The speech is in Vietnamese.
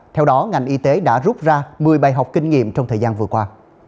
theo đó ngành y tế đã rút ra một mươi bài học kinh nghiệm trong thời gian vừa qua